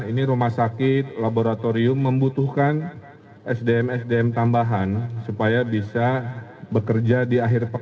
ini rumah sakit laboratorium membutuhkan sdm sdm tambahan supaya bisa bekerja di akhir pekan